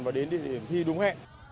và đến địa điểm thi đúng hẹn